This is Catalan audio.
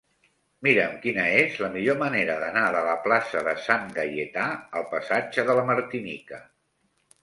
Mira'm quina és la millor manera d'anar de la plaça de Sant Gaietà al passatge de la Martinica.